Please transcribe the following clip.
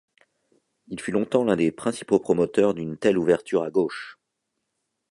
Il fut longtemps l’un des principaux promoteurs d’une telle ouverture à gauche.